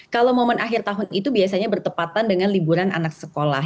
kalau momen akhir tahun itu biasanya bertepatan dengan liburan anak sekolah